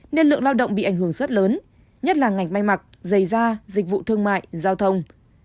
nên lượng lao động bị ảnh hưởng rất lớn nhất là ngành may mặc giày da dịch vụ thương mại giao thông